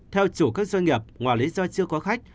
theo chủ các doanh nghiệp ngoài lý do chưa có khách